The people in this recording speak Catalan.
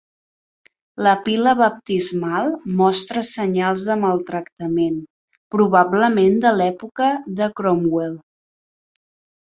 La pila baptismal mostra senyals de maltractament, probablement de l'època de Cromwell.